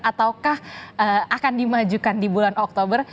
ataukah akan dimajukan di bulan oktober